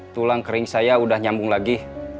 tulang kering saya udah nyambung lagi